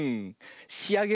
しあげるよ。